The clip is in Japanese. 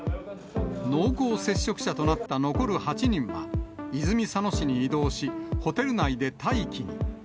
濃厚接触者となった残る８人は、泉佐野市に移動し、ホテル内で待機に。